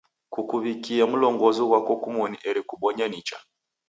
Kukuw'ikie mlongozo ghwako kumoni eri kubonye nicha.